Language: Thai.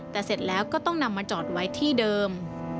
แต่เสร็จแล้วก็ต้องนำมาจอดไว้ที่เดิม